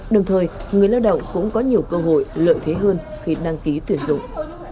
đồng thời người lao động cũng có nhiều cơ hội lợi thế hơn khi đăng ký tuyển dụng